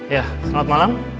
ya selamat malam